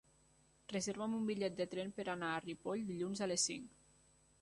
Reserva'm un bitllet de tren per anar a Ripoll dilluns a les cinc.